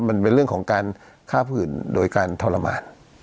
มันเป็นเรื่องของการฆ่าผู้อื่นโดยการทรมาน